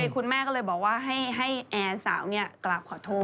คุณแม่ก็เลยบอกว่าให้แอร์สาวกราบขอโทษ